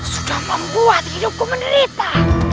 sudah membuat hidupku menderita